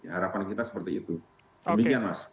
harapan kita seperti itu demikian mas